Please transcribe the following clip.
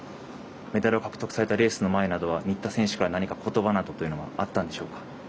メダルを獲得されたレースの前などは新田選手から何かことばなどというのはあったんでしょうか？